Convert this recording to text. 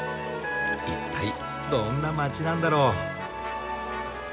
一体どんな街なんだろう？